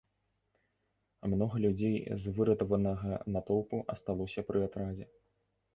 Многа людзей з выратаванага натоўпу асталося пры атрадзе.